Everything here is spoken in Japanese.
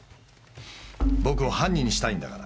僕を犯人にしたいんだから。